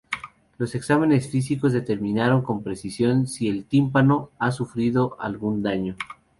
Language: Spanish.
Los exámenes físicos determinarán con precisión si el tímpano ha sufrido algún daño.